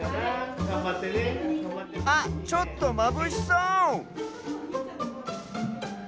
あっちょっとまぶしそう！